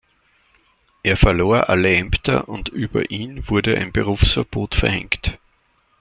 Er verlor alle Ämter und über ihn wurde ein Berufsverbot verhängt.